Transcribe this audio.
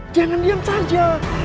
jangan diam saja